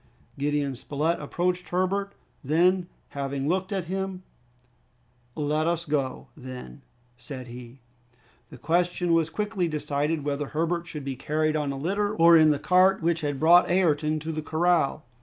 Gideon Spilett approached Herbert; then, having looked at him, "Let us go, then!" said he. The question was quickly decided whether Herbert should be carried on a litter or in the cart which had brought Ayrton to the corral.